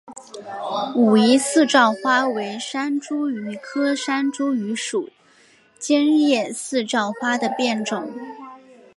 武夷四照花为山茱萸科山茱萸属尖叶四照花的变种。